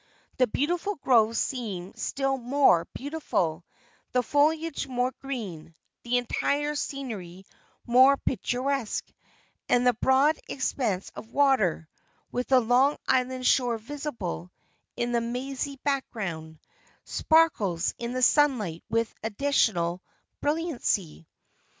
The beautiful groves seem still more beautiful, the foliage more green, the entire scenery more picturesque and the broad expanse of water with the Long Island shore visible in the mazy background sparkles in the sunlight with additional brilliancy.